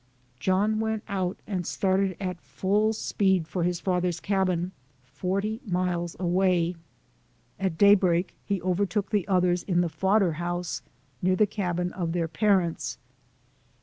John went out and started at full speed for his father's cabin, forty miles away. At daybreak, he overtook the others in 60 SOME SCENES IN THE the " fodder house," near the cabin of their pa rents.